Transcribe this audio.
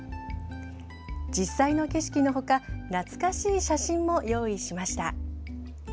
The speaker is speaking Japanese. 実際の景色のほか懐かしい写真も用意しました。